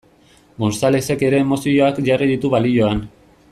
Gonzalezek ere emozioak jarri ditu balioan.